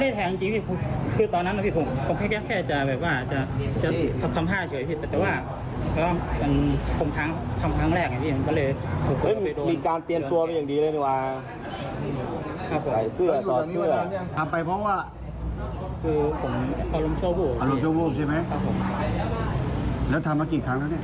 แล้วทำมากี่ครั้งแล้วครั้งนี้เข้าสารภาพได้